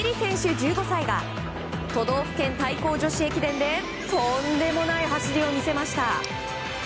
１５歳が都道府県対抗女子駅伝でとんでもない走りを見せました。